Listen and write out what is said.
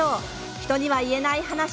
「人には言えないハナシ」